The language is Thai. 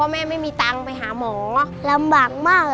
รายการต่อไปนี้เป็นรายการทั่วไปสามารถรับชมได้ทุกวัย